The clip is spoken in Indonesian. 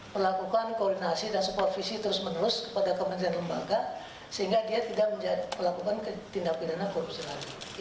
melakukan koordinasi dan supervisi terus menerus kepada kementerian lembaga sehingga dia tidak melakukan tindak pidana korupsi lagi